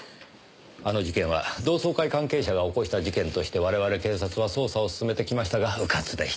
あの事件は同窓会関係者が起こした事件として我々警察は捜査を進めてきましたがうかつでした。